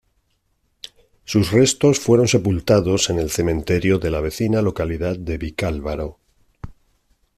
Sus restos fueron sepultados en el cementerio de la vecina localidad de Vicálvaro.